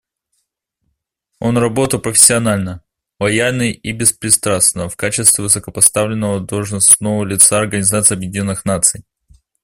Он работал профессионально, лояльно и беспристрастно в качестве высокопоставленного должностного лица Организации Объединенных Наций.